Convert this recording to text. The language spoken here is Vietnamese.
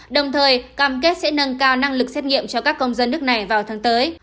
đồng thời cam kết sẽ nâng cao năng lực xét nghiệm cho các công dân nước này vào tháng tới